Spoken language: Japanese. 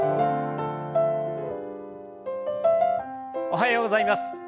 おはようございます。